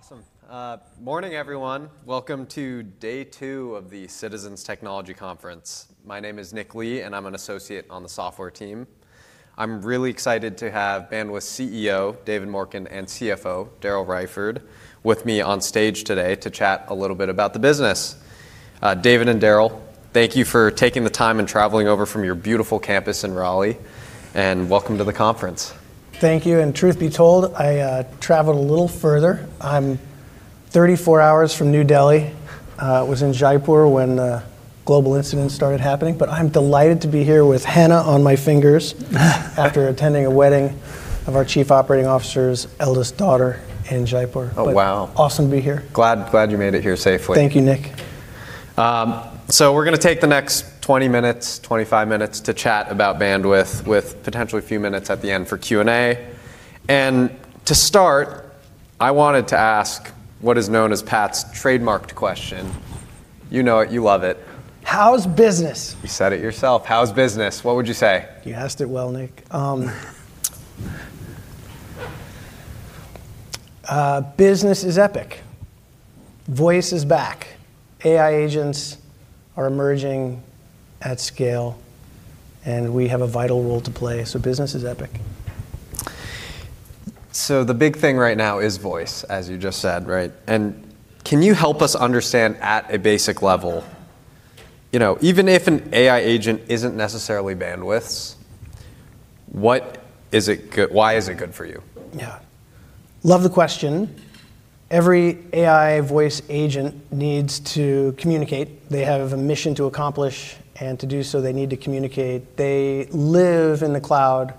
Awesome. Morning, everyone. Welcome to day two of the Citizens Technology Conference. My name is Nick Lee. I'm an associate on the software team. I'm really excited to have Bandwidth CEO, David Morken, and CFO, Daryl Raiford, with me on stage today to chat a little bit about the business. David and Daryl, thank you for taking the time and traveling over from your beautiful campus in Raleigh. Welcome to the conference. Thank you. Truth be told, I traveled a little further. I'm 34 hours from New Delhi. Was in Jaipur when global incidents started happening. I'm delighted to be here with henna on my fingers, after attending a wedding of our chief operating officer's eldest daughter in Jaipur. Oh, wow. Awesome to be here. Glad you made it here safely. Thank you, Nick. We're gonna take the next 20 minutes, 25 minutes to chat about Bandwidth with potentially a few minutes at the end for Q&A. To start, I wanted to ask what is known as Pat's trademarked question. You know it, you love it. How's business? You said it yourself. How's business? What would you say? You asked it well, Nick. Business is epic. Voice is back. AI agents are emerging at scale, and we have a vital role to play, so business is epic. The big thing right now is voice, as you just said, right? Can you help us understand at a basic level, you know, even if an AI agent isn't necessarily Bandwidth's, why is it good for you? Yeah. Love the question. Every AI voice agent needs to communicate. They have a mission to accomplish, and to do so, they need to communicate. They live in the cloud.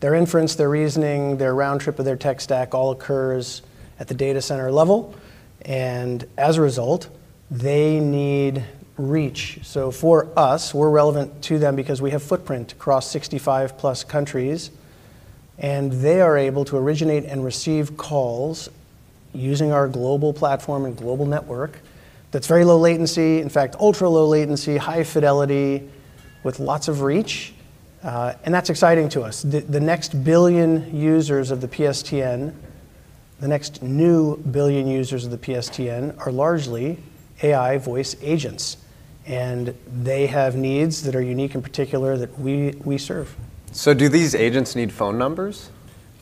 Their inference, their reasoning, their round trip of their tech stack all occurs at the data center level, and as a result, they need reach. For us, we're relevant to them because we have footprint across 65 plus countries, and they are able to originate and receive calls using our global platform and global network that's very low latency, in fact, ultra-low latency, high fidelity with lots of reach, and that's exciting to us. The next billion users of the PSTN, the next new billion users of the PSTN are largely AI voice agents, and they have needs that are unique in particular that we serve. Do these agents need phone numbers?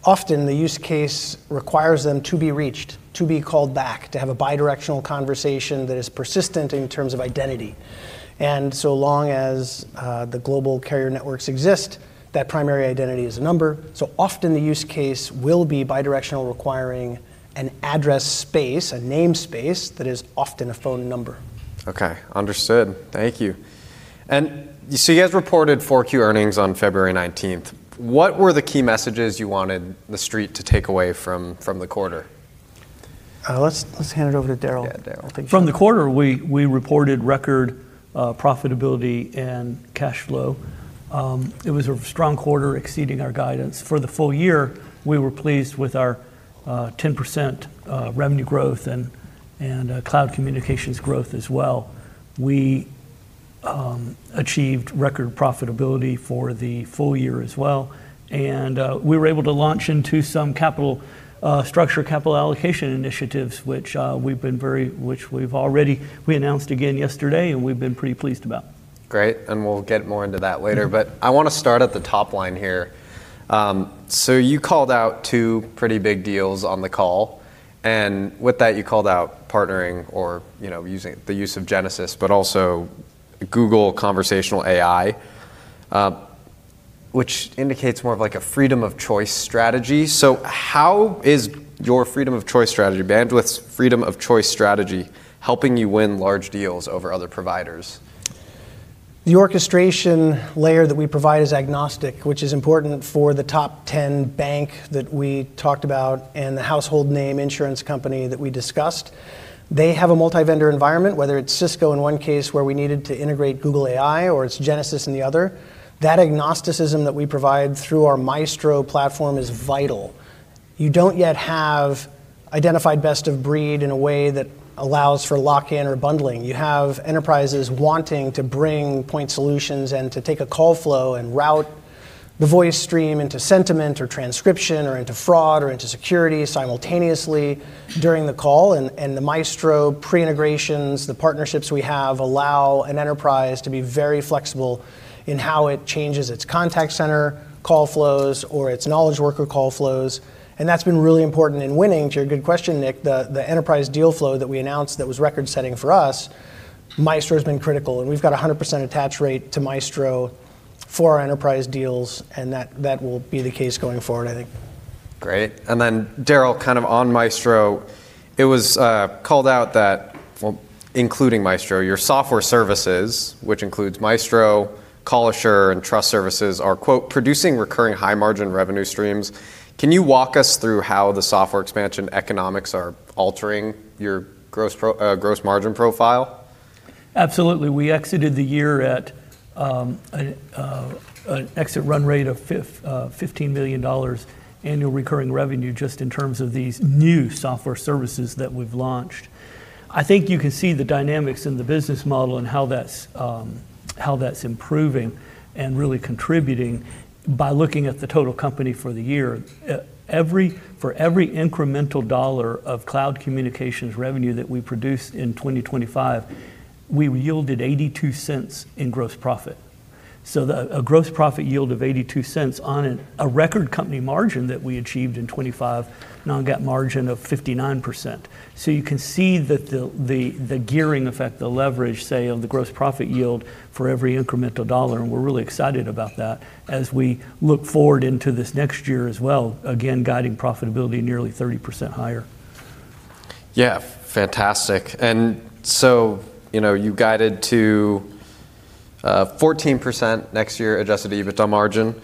Often, the use case requires them to be reached, to be called back, to have a bidirectional conversation that is persistent in terms of identity. So long as, the global carrier networks exist, that primary identity is a number. Often the use case will be bidirectional, requiring an address space, a namespace that is often a phone number. Okay. Understood. Thank you. You guys reported 4Q earnings on February 19th. What were the key messages you wanted the Street to take away from the quarter? Let's hand it over to Daryl. Yeah, Daryl. From the quarter, we reported record profitability and cash flow. It was a strong quarter exceeding our guidance. For the full year, we were pleased with our 10% revenue growth and cloud communications growth as well. We achieved record profitability for the full year as well. We were able to launch into some capital structure capital allocation initiatives, which we've already announced again yesterday, and we've been pretty pleased about. Great. We'll get more into that later. I wanna start at the top line here. You called out two pretty big deals on the call, and with that, you called out partnering or, you know, using the use of Genesys, but also Google Conversational AI, which indicates more of like a freedom of choice strategy. How is your freedom of choice strategy, Bandwidth's freedom of choice strategy, helping you win large deals over other providers? The orchestration layer that we provide is agnostic, which is important for the top 10 bank that we talked about and the household name insurance company that we discussed. They have a multi-vendor environment, whether it's Cisco in one case where we needed to integrate Google AI or it's Genesys in the other. That agnosticism that we provide through our Maestro Platform is vital. You don't yet have identified best of breed in a way that allows for lock-in or bundling. You have enterprises wanting to bring point solutions and to take a call flow and route the voice stream into sentiment or transcription or into fraud or into security simultaneously during the call. The Maestro pre-integrations, the partnerships we have allow an enterprise to be very flexible in how it changes its contact center call flows or its knowledge worker call flows. That's been really important in winning, to your good question, Nick. The enterprise deal flow that we announced that was record-setting for us, Maestro's been critical, and we've got a 100% attach rate to Maestro for our enterprise deals, and that will be the case going forward, I think. Great. Daryl, kind of on Maestro, it was called out that, well, including Maestro, your software services, which includes Maestro, Call Assure, and Trust Services are, quote, "producing recurring high margin revenue streams." Can you walk us through how the software expansion economics are altering your gross margin profile? Absolutely. We exited the year at an exit run rate of $15 million annual recurring revenue just in terms of these new software services that we've launched. I think you can see the dynamics in the business model and how that's how that's improving and really contributing by looking at the total company for the year. For every incremental dollar of cloud communications revenue that we produced in 2025, we yielded $0.82 in gross profit. A gross profit yield of $0.82 on a record company margin that we achieved in 2025, non-GAAP margin of 59%. You can see that the gearing effect, the leverage, say, on the gross profit yield for every incremental dollar. We're really excited about that as we look forward into this next year as well, again, guiding profitability nearly 30% higher. Yeah. Fantastic. You know, you guided to 14% next year adjusted EBITDA margin.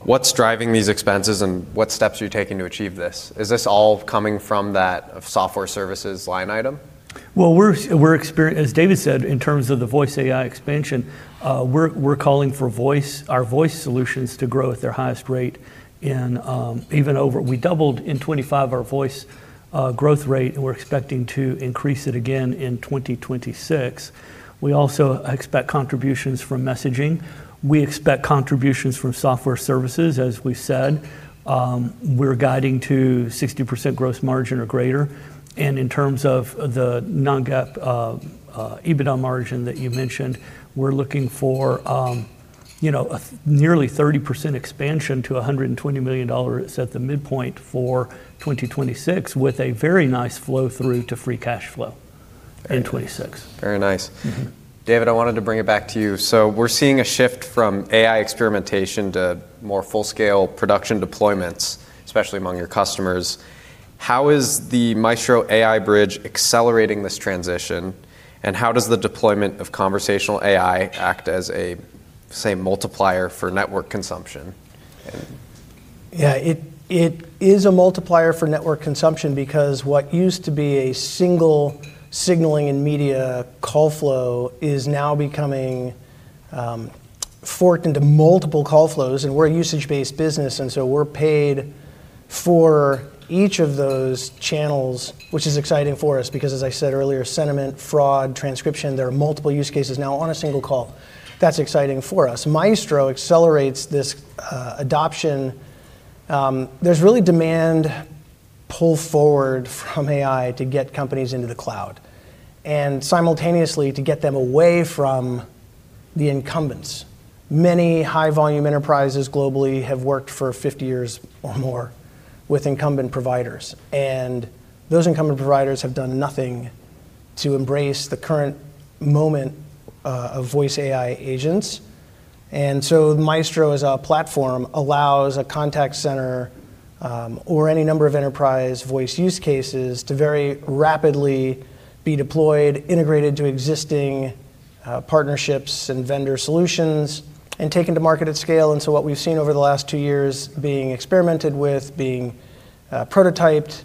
What's driving these expenses, and what steps are you taking to achieve this? Is this all coming from that software services line item? Well, as David said, in terms of the voice AI expansion, we're calling for voice, our voice solutions to grow at their highest rate. We doubled in 2025 our voice growth rate, and we're expecting to increase it again in 2026. We also expect contributions from messaging. We expect contributions from software services, as we said. We're guiding to 60% gross margin or greater. In terms of the non-GAAP EBITDA margin that you mentioned, we're looking for, you know, nearly 30% expansion to $120 million at the midpoint for 2026, with a very nice flow-through to free cash flow in 2026. Very nice. David, I wanted to bring it back to you. We're seeing a shift from AI experimentation to more full-scale production deployments, especially among your customers. How is the Maestro AI Bridge accelerating this transition, and how does the deployment of Conversational AI act as a, say, multiplier for network consumption? Yeah, it is a multiplier for network consumption because what used to be a single signaling and media call flow is now becoming forked into multiple call flows. We're a usage-based business. We're paid for each of those channels, which is exciting for us because, as I said earlier, sentiment, fraud, transcription, there are multiple use cases now on a single call. That's exciting for us. Maestro accelerates this adoption. There's really demand pull forward from AI to get companies into the cloud and simultaneously to get them away from the incumbents. Many high-volume enterprises globally have worked for 50 years or more with incumbent providers. Those incumbent providers have done nothing to embrace the current moment of voice AI agents. Maestro as a platform allows a contact center, or any number of enterprise voice use cases to very rapidly be deployed, integrated to existing partnerships and vendor solutions and taken to market at scale into what we've seen over the last two years being experimented with, being prototyped.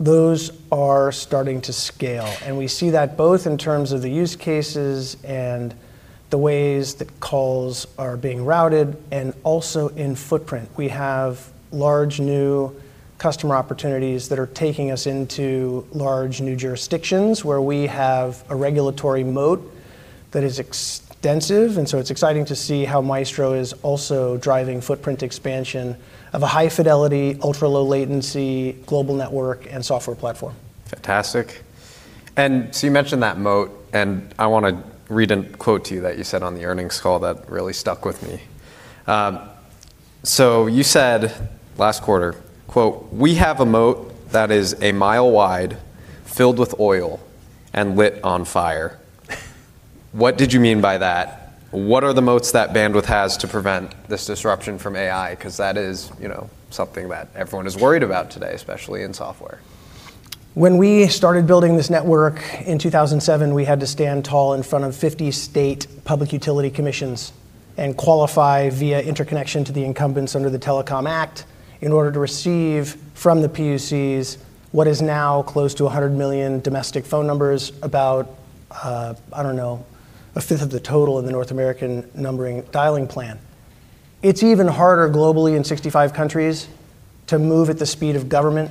Those are starting to scale, and we see that both in terms of the use cases and the ways that calls are being routed and also in footprint. We have large new customer opportunities that are taking us into large new jurisdictions where we have a regulatory moat that is extensive, and so it's exciting to see how Maestro is also driving footprint expansion of a high-fidelity, ultra-low latency global network and software platform. Fantastic. You mentioned that moat, and I wanna read a quote to you that you said on the earnings call that really stuck with me. You said last quarter, quote, "We have a moat that is a mile wide, filled with oil, and lit on fire." What did you mean by that? What are the moats that Bandwidth has to prevent this disruption from AI? 'Cause that is, you know, something that everyone is worried about today, especially in software. When we started building this network in 2007, we had to stand tall in front of 50 state Public Utilities Commissions and qualify via interconnection to the incumbents under the Telecom Act in order to receive from the PUCs what is now close to $100 million domestic phone numbers about, I don't know, a fifth of the total in the North American Numbering Plan. It's even harder globally in 65 countries to move at the speed of government.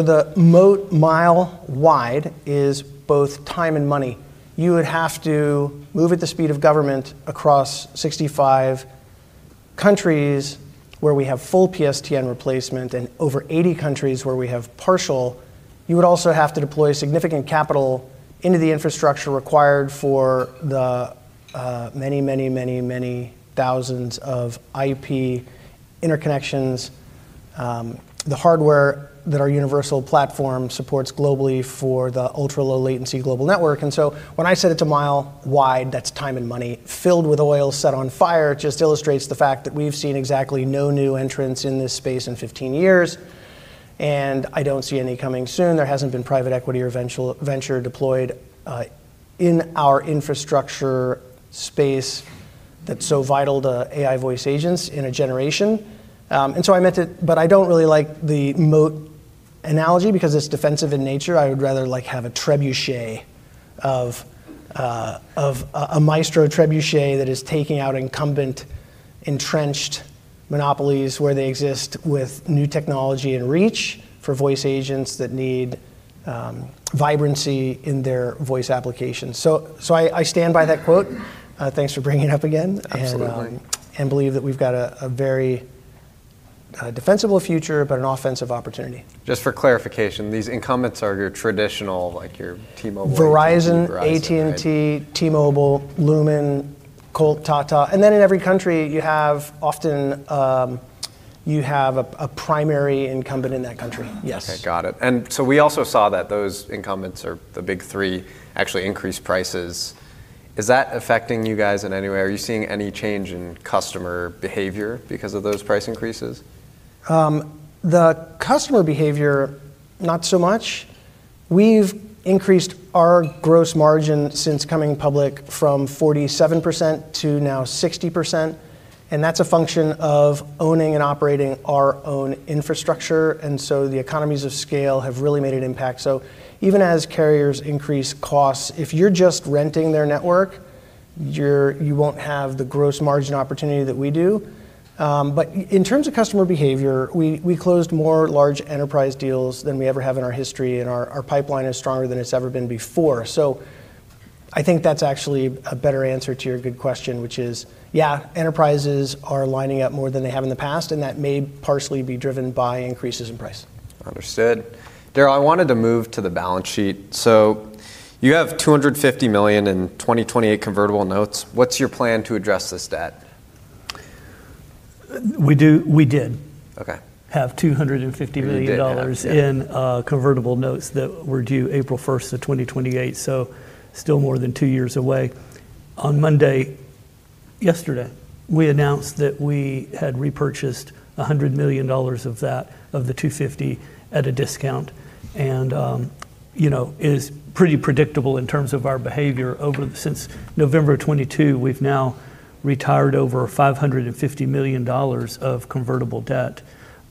The moat mile wide is both time and money. You would have to move at the speed of government across 65 countries where we have full PSTN replacement and over 80 countries where we have partial. You would also have to deploy significant capital into the infrastructure required for the many thousands of IP interconnections, the hardware that our Universal Platform supports globally for the ultra-low latency global network. When I said it's a mile wide, that's time and money. Filled with oil, set on fire just illustrates the fact that we've seen exactly no new entrants in this space in 15 years, and I don't see any coming soon. There hasn't been private equity or venture deployed in our infrastructure space that's so vital to AI voice agents in a generation. I meant it, I don't really like the moat analogy because it's defensive in nature. I would rather, like, have a trebuchet of a Maestro trebuchet that is taking out incumbent entrenched monopolies where they exist with new technology and reach for voice agents that need, vibrancy in their voice applications. I stand by that quote. Thanks for bringing it up again. Absolutely. Believe that we've got a very defensible future, but an offensive opportunity. Just for clarification, these incumbents are your traditional, like your T-Mobile- Verizon, AT&T, T-Mobile, Lumen, Colt, Tata. Then in every country, you have often, you have a primary incumbent in that country, yes. Okay. Got it. We also saw that those incumbents are the big three actually increased prices. Is that affecting you guys in any way? Are you seeing any change in customer behavior because of those price increases? The customer behavior not so much. We've increased our gross margin since coming public from 47% to now 60%, and that's a function of owning and operating our own infrastructure. The economies of scale have really made an impact. Even as carriers increase costs, if you're just renting their network, you won't have the gross margin opportunity that we do. In terms of customer behavior, we closed more large enterprise deals than we ever have in our history, and our pipeline is stronger than it's ever been before. I think that's actually a better answer to your good question, which is, yeah, enterprises are lining up more than they have in the past, and that may partially be driven by increases in price. Understood. Daryl, I wanted to move to the balance sheet. You have $250 million in 2028 convertible notes. What's your plan to address this debt? We do-- we did have $250 million. You did have, yeah. In convertible notes that were due April 1st of 2028, so still more than two years away. On Monday, yesterday, we announced that we had repurchased $100 million of that, of the $250 at a discount. You know, it is pretty predictable in terms of our behavior since November of 2022, we've now retired over $550 million of convertible debt,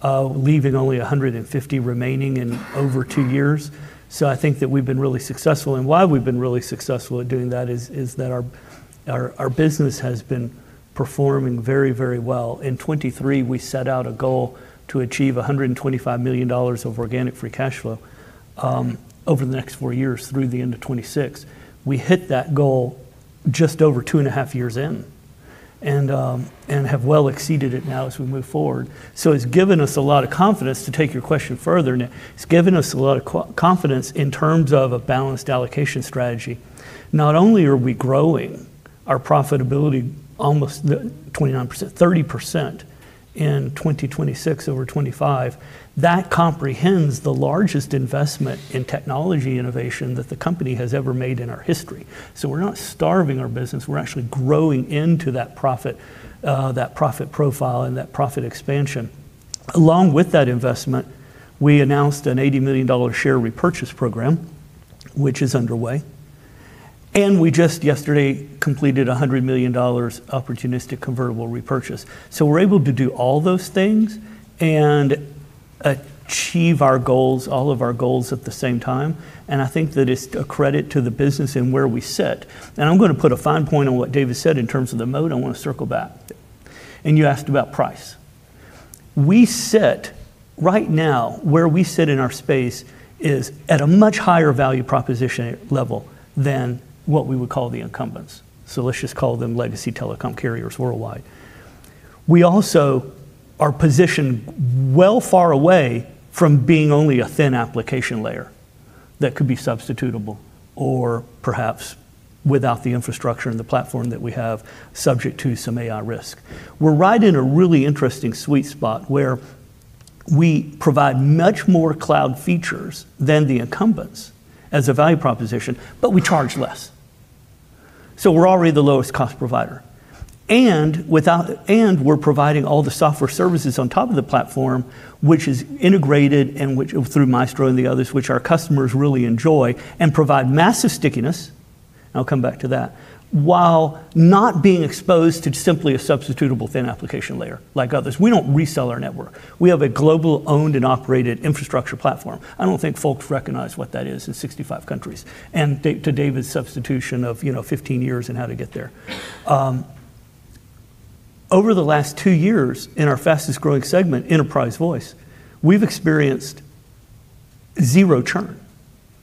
leaving only $150 remaining in over two years. I think that we've been really successful, and why we've been really successful at doing that is that our business has been performing very, very well. In 2023, we set out a goal to achieve $125 million of organic free cash flow over the next four years through the end of 2026. We hit that goal just over two and a half years in and have well exceeded it now as we move forward. It's given us a lot of confidence to take your question further, Nick. It's given us a lot of confidence in terms of a balanced allocation strategy. Not only are we growing our profitability almost 29%, 30% in 2026 over 2025, that comprehends the largest investment in technology innovation that the company has ever made in our history. We're not starving our business, we're actually growing into that profit profile and that profit expansion. Along with that investment, we announced an $80 million share repurchase program, which is underway. We just yesterday completed a $100 million opportunistic convertible repurchase. We're able to do all those things and achieve our goals, all of our goals at the same time, and I think that it's a credit to the business and where we sit. I'm gonna put a fine point on what David said in terms of the mode. I wanna circle back. You asked about price. Right now, where we sit in our space is at a much higher value proposition level than what we would call the incumbents. Let's just call them legacy telecom carriers worldwide. We also are positioned well far away from being only a thin application layer that could be substitutable or perhaps without the infrastructure and the platform that we have, subject to some AI risk. We're right in a really interesting sweet spot where we provide much more cloud features than the incumbents as a value proposition, but we charge less. We're already the lowest cost provider. We're providing all the software services on top of the platform, which is integrated through Maestro and the others, which our customers really enjoy and provide massive stickiness, and I'll come back to that, while not being exposed to simply a substitutable thin application layer like others. We don't resell our network. We have a global owned and operated infrastructure platform. I don't think folks recognize what that is in 65 countries. To David's substitution of, you know, 15 years and how to get there. Over the last two years in our fastest-growing segment, enterprise voice, we've experienced zero churn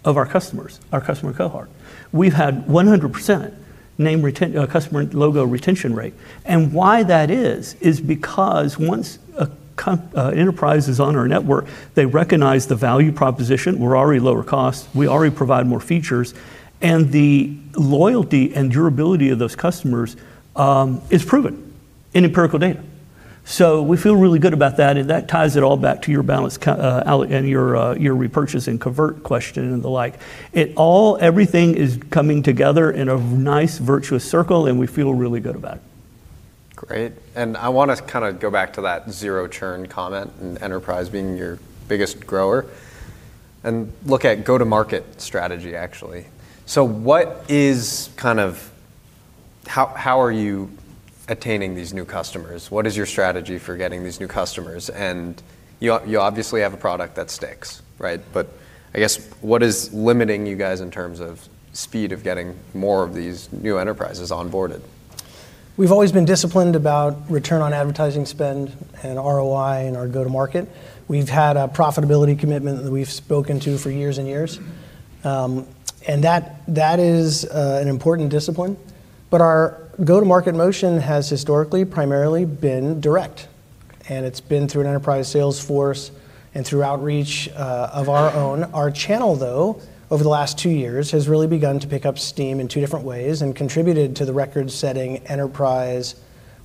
of our customers, our customer cohort. We've had 100% name customer logo retention rate. Why that is because once a enterprise is on our network, they recognize the value proposition. We're already lower cost, we already provide more features, and the loyalty and durability of those customers is proven in empirical data. We feel really good about that, and that ties it all back to your balance and your repurchase and convert question and the like. Everything is coming together in a nice virtuous circle, and we feel really good about it. Great. I wanna kinda go back to that zero churn comment and enterprise being your biggest grower and look at go-to-market strategy, actually. What is how are you attaining these new customers? What is your strategy for getting these new customers? You obviously have a product that sticks, right? I guess, what is limiting you guys in terms of speed of getting more of these new enterprises onboarded? We've always been disciplined about return on advertising spend and ROI in our go-to-market. We've had a profitability commitment that we've spoken to for years and years. That is an important discipline. Our go-to-market motion has historically primarily been direct, and it's been through an enterprise sales force and through outreach of our own. Our channel, though, over the last two years, has really begun to pick up steam in two different ways and contributed to the record-setting enterprise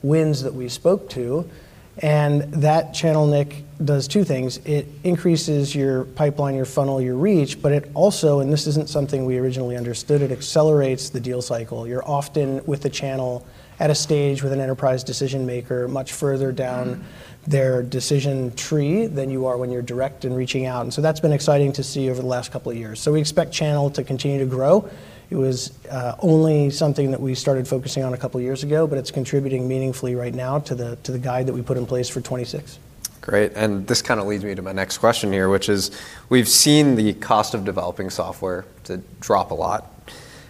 wins that we spoke to. That channel, Nick, does two things: it increases your pipeline, your funnel, your reach, but it also, and this isn't something we originally understood, it accelerates the deal cycle. You're often with a channel at a stage with an enterprise decision maker much further down their decision tree than you are when you're direct and reaching out. That's been exciting to see over the last couple of years. We expect channel to continue to grow. It was only something that we started focusing on a couple years ago, but it's contributing meaningfully right now to the guide that we put in place for 2026. Great. This kinda leads me to my next question here, which is, we've seen the cost of developing software to drop a lot,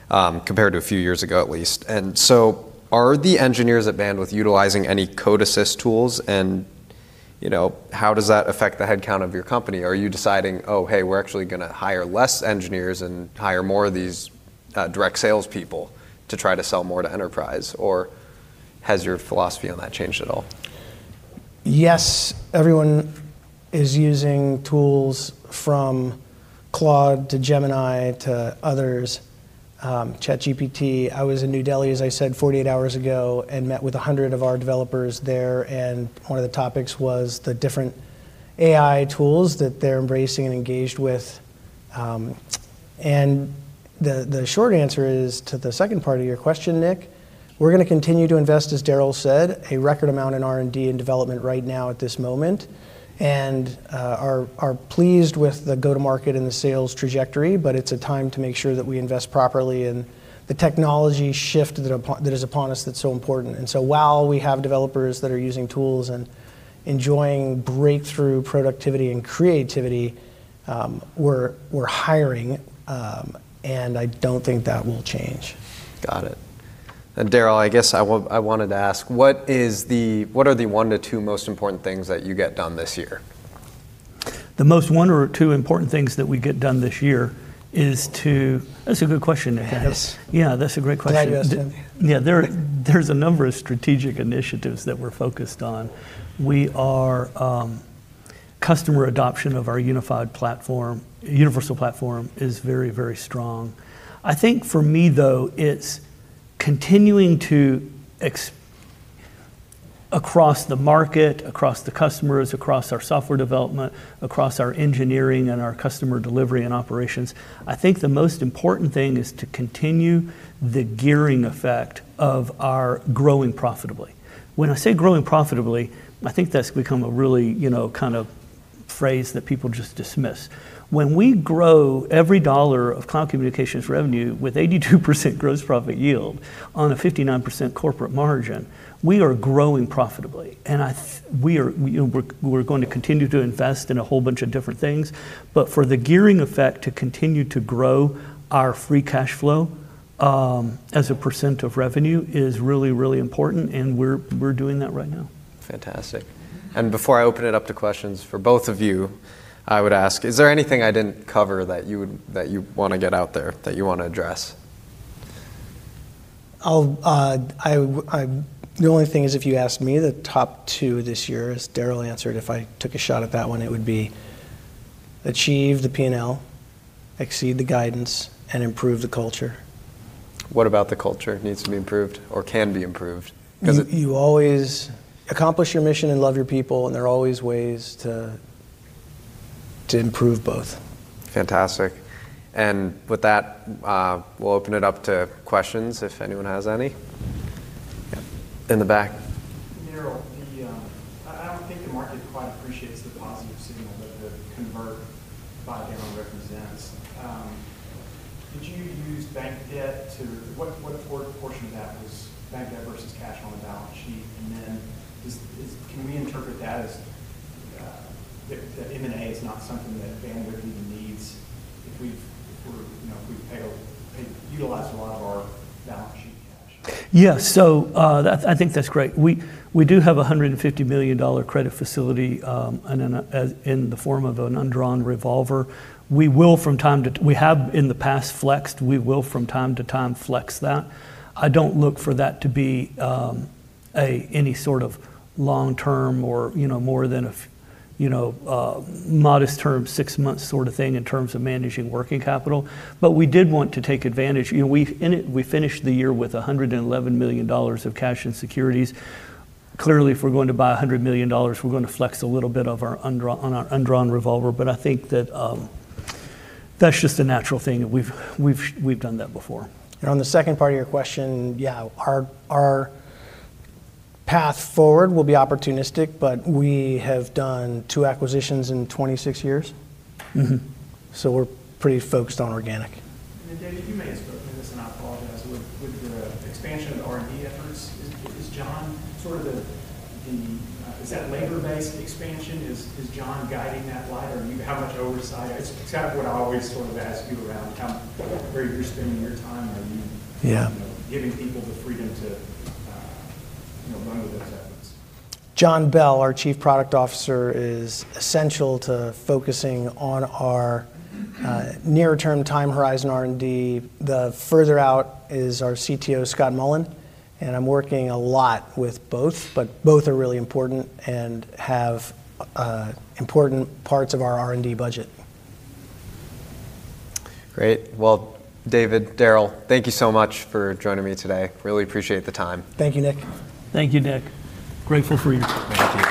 compared to a few years ago, at least. Are the engineers at Bandwidth utilizing any code assist tools? You know, how does that affect the headcount of your company? Are you deciding, "Oh, hey, we're actually gonna hire less engineers and hire more of these, direct sales people to try to sell more to enterprise?" Has your philosophy on that changed at all? Yes, everyone is using tools from Claude to Gemini to others, ChatGPT. I was in New Delhi, as I said, 48 hours ago, and met with 100 of our developers there, and one of the topics was the different AI tools that they're embracing and engaged with. The short answer is, to the second part of your question, Nick, we're gonna continue to invest, as Daryl said, a record amount in R&D and development right now at this moment and are pleased with the go-to-market and the sales trajectory. It's a time to make sure that we invest properly in the technology shift that is upon us that's so important. While we have developers that are using tools and enjoying breakthrough productivity and creativity, we're hiring, and I don't think that will change. Got it. Daryl, I guess I wanted to ask, what are the one to two most important things that you get done this year? The most one or two important things that we get done this year is to. That's a good question, Nick. Yeah, that's a great question. Yeah. There's a number of strategic initiatives that we're focused on. We are, customer adoption of our Universal Platform. Universal Platform is very, very strong. I think for me, though, it's continuing across the market, across the customers, across our software development, across our engineering and our customer delivery and operations. I think the most important thing is to continue the gearing effect of our growing profitably. When I say growing profitably, I think that's become a really, you know, kind of phrase that people just dismiss. When we grow every dollar of cloud communications revenue with 82% gross profit yield on a 59% corporate margin, we are growing profitably. We are, you know, we're going to continue to invest in a whole bunch of different things For the gearing effect to continue to grow our free cash flow, as a percent of revenue is really, really important, and we're doing that right now. Fantastic. Before I open it up to questions for both of you, I would ask, is there anything I didn't cover that you would, that you wanna get out there, that you wanna address? The only thing is if you ask me the top two this year, as Daryl answered, if I took a shot at that one, it would be achieve the P&L, exceed the guidance, and improve the culture. What about the culture needs to be improved or can be improved? You always accomplish your mission and love your people, and there are always ways to improve both. Fantastic. With that, we'll open it up to questions if anyone has any. Yeah. In the back. Daryl, I don't think the market quite appreciates the positive signal that the convert buyback represents. Did you use bank debt to... What portion of that was bank debt versus cash on the balance sheet? Is, can we interpret that as, that M&A is not something that Bandwidth even needs if we've, if we're, you know, if we've paid, utilized a lot of our balance sheet cash? That, I think that's great. We do have a $150 million credit facility, and in the form of an undrawn revolver. We will from time to we have in the past flexed, we will from time-to-time flex that. I don't look for that to be any sort of long-term or, you know, modest term, six months sort of thing in terms of managing working capital. We did want to take advantage. You know, we've, in it, we finished the year with $111 million of cash in securities. Clearly, if we're going to buy $100 million, we're gonna flex a little bit of our on our undrawn revolver. I think that's just a natural thing, and we've done that before. On the second part of your question, yeah, our path forward will be opportunistic, but we have done two acquisitions in 26 years. We're pretty focused on organic. David, you may have spoken to this, and I apologize. With the expansion of the R&D efforts, is John sort of the... Is that labor-based expansion? Is John guiding that lot, or are you... How much oversight? It's kind of what I always sort of ask you around how, where you're spending your time you know, giving people the freedom to, you know, run with those efforts? John Bell, our Chief Product Officer, is essential to focusing on our near-term time horizon R&D. The further out is our CTO, Scott Mullen, and I'm working a lot with both, but both are really important and have important parts of our R&D budget. Great. Well, David, Daryl, thank you so much for joining me today. Really appreciate the time. Thank you, Nick. Thank you, Nick. Grateful for you. Thank you.